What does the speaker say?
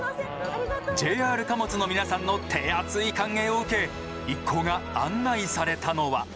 ＪＲ貨物の皆さんの手厚い歓迎を受け一行が案内されたのは。